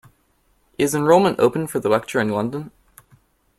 Is enrolment open for the lecture in London?